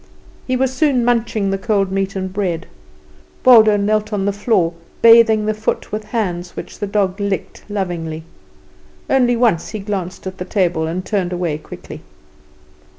He was soon munching the cold meat and bread. Waldo knelt on the floor, bathing the foot with hands which the dog licked lovingly. Once only he glanced at the table, and turned away quickly.